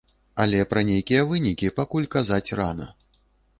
Але пра нейкія вынікі пакуль казаць рана.